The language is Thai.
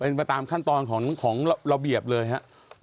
เป็นไปตามขั้นตอนของระเบียบเลยครับ